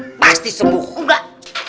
mau sembuh tidak